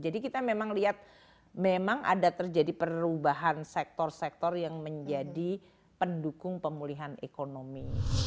jadi kita memang lihat memang ada terjadi perubahan sektor sektor yang menjadi pendukung pemulihan ekonomi